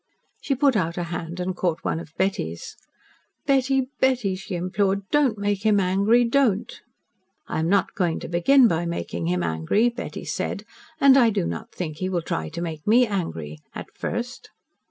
She put out a hand and caught one of Betty's. "Betty, Betty," she implored. "Don't make him angry. Don't." "I am not going to begin by making him angry," Betty said. "And I do not think he will try to make me angry at first."